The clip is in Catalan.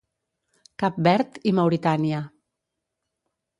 Cap Verd i Mauritània.